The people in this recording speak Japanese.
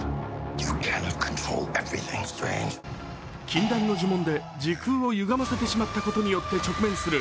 禁断の呪文で時空をゆがませてしまったことによって直面する